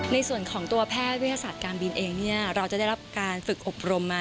ในส่วนของตัวแพทย์วิทยาศาสตร์การบินเองเราจะได้รับการฝึกอบรมมา